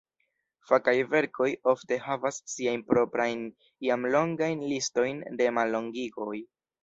Fakaj verkoj ofte havas siajn proprajn, iam longajn, listojn de mallongigoj.